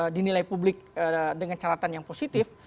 dinilai publik dengan caratan yang positif